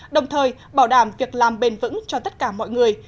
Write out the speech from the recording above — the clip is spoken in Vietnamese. đồng thời bảo đảm việc làm bền vững cho tất cả mọi người